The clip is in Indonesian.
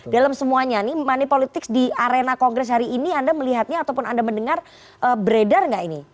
dalam semuanya nih money politics di arena kongres hari ini anda melihatnya ataupun anda mendengar beredar nggak ini